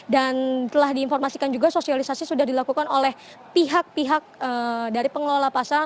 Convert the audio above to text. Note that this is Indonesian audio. dan telah diinformasikan juga sosialisasi sudah dilakukan oleh pihak pihak dari pengelola pasar